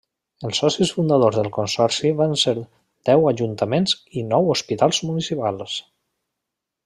Els socis fundadors del Consorci van ser deu ajuntaments i nou hospitals municipals.